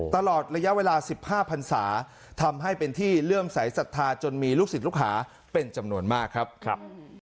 ตลอดระยะเวลา๑๕พันศาทำให้เป็นที่เลื่อมสายศรัทธาจนมีลูกศิษย์ลูกหาเป็นจำนวนมากครับ